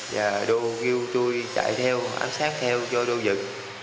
và đô kêu tôi chạy theo ám sát theo cho đô giật